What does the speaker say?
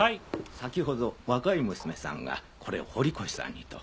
先ほど若い娘さんがこれを堀越さんにと。